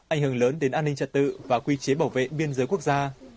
ảnh hưởng lớn đến an ninh trật tự và quy chế bảo vệ biên giới quốc gia